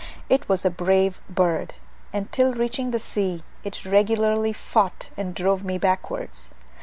It was a brave bird; and till reaching the sea, it regularly fought and drove me backwards.